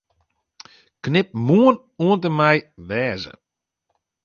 Knip 'Moarn' oant en mei 'wêze'.